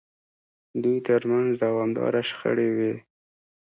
دوی ترمنځ دوامداره شخړې وې.